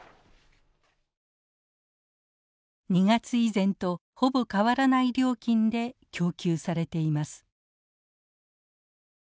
２月以前とほぼ変わらない料金で供給されています。